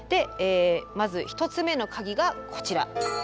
まず１つ目の鍵がこちら。